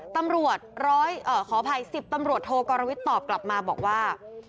ตำรวจขออภัย๑๐ตำรวจโทกรวิทย์ตอบกลับมาบอกว่า